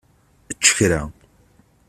Ečč kra!